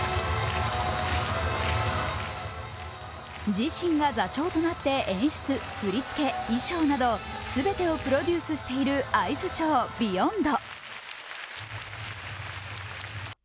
自身が座長となって演出・振付・衣装など全てをプロデュースしているアイスショー、「ＢＥＹＯＮＤ」。